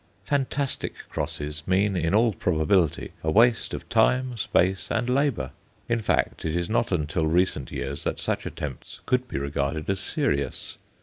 Fantastic crosses mean, in all probability, a waste of time, space, and labour; in fact, it is not until recent years that such attempts could be regarded as serious.